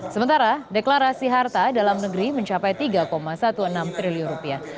sementara deklarasi harta dalam negeri mencapai tiga enam belas triliun rupiah